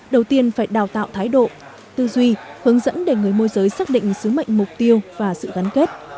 đầu tiên phải đào tạo thái độ tư duy hướng dẫn để người môi giới xác định sứ mệnh mục tiêu và sự gắn kết